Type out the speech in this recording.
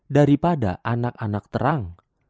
daripada anak anak terang